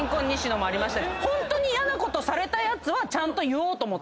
ホントに嫌なことされたやつはちゃんと言おうと思って。